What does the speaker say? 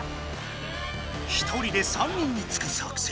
１人で３人につく作戦？